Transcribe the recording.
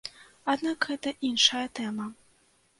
Аднак, гэта іншая тэма.